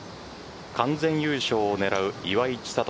完全優勝を狙う岩井千怜。